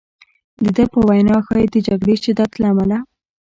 د ده په وینا ښایي د جګړې شدت له امله.